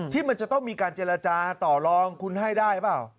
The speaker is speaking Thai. ที่มันจะต้องมีการเจรจาต่อลองคุณให้ได้เปล่า